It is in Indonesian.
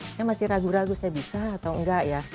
saya masih ragu ragu saya bisa atau enggak ya